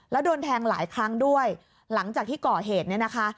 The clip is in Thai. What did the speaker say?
แล้วโดนแทงหลายครั้งด้วยหลังจากที่ก่อเหตุเนี่ยนะคะ